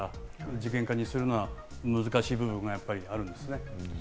事件化するのは難しい部分もやっぱりあるんですね。